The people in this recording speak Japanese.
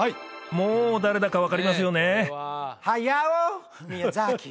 もう誰だか分かりますよね？